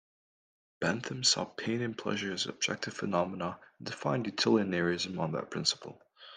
Bentham saw pain and pleasure as objective phenomena, and defined utilitarianism on that principle.